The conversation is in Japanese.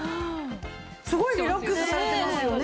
すごいリラックスされてますよね。